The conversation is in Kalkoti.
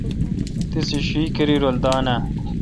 تیس اوں شی کیرای رل دان آں